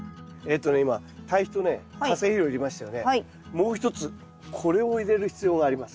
もう一つこれを入れる必要があります。